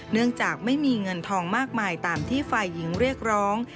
เนื่องจากไม่มีเงินทองมากมายตามที่ฝ่ายหญิงเรียกร้อง